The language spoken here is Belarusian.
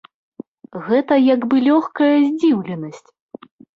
Гэта як бы лёгкая здзіўленасць.